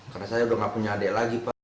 karena saya sudah tidak punya adik lagi pak